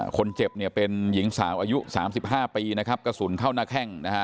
คนเจ็บเนี่ยเป็นหญิงสาวอายุ๓๕ปีนะครับกระสุนเข้าหน้าแข้งนะฮะ